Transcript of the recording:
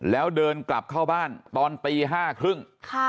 แล้วเดินกลับเข้าบ้านตอนตี๕๓๐